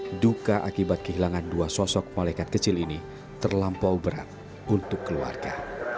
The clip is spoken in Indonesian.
mereka duka akibat kehilangan dua sosok malaikat kecil ini terlampau berat untuk keluarga